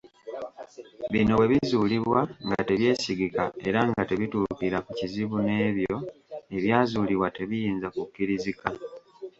Bino bwe bizuulibwa nga tebyesigika era nga tebituukira ku kizibu n’ebyo ebyazuulibwa tebiyinza kukkirizika.